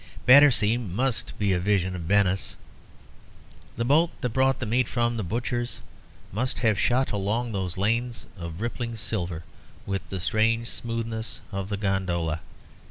Battersea must be a vision of Venice. The boat that brought the meat from the butcher's must have shot along those lanes of rippling silver with the strange smoothness of the gondola.